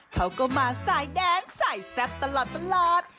เขาก็มาสายแดนสายแซ่บตลอด